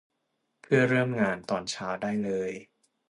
เพื่อเริ่มงานตอนเช้าได้เลย